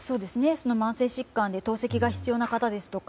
慢性疾患で透析が必要な方ですとか